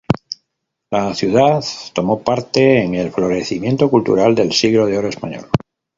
La ciudad tomó parte en el florecimiento cultural del Siglo de Oro español.